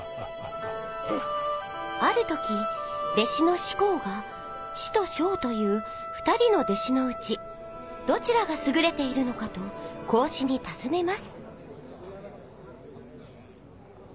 あるとき弟子の子貢が師と商というふたりの弟子のうちどちらがすぐれているのかと孔子にたずねます。